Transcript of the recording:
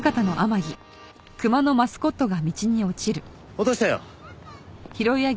落としたよ。